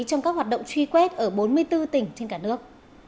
trong các hoạt động truy quét ở bốn mươi bốn tỉnh trên cả nước